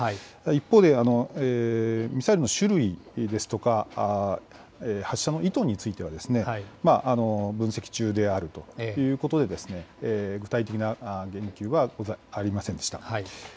一方で、ミサイルの種類ですとか、発射の意図については、分析中であるということで、具体的な言及はありませんでした。